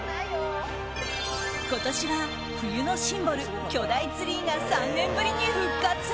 今年は冬のシンボル巨大ツリーが３年ぶりに復活。